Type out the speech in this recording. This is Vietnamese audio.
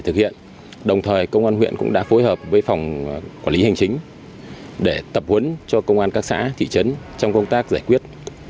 trong thời công an huyện cũng đã phối hợp với phòng quản lý hành chính để tập huấn cho công an các xã thị trấn trong công tác giải quyết